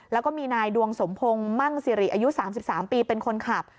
แล้วก็มีนายดวงสมพงศ์มั่งสิริอายุ๓๓ปีเป็นคนขับ